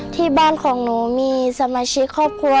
ที่บ้านของหนูมีสมาชิกครอบครัว